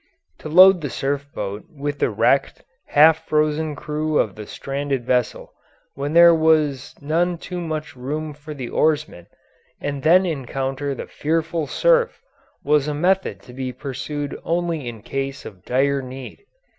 To load the surf boat with the wrecked, half frozen crew of the stranded vessel, when there was none too much room for the oarsmen, and then encounter the fearful surf, was a method to be pursued only in case of dire need.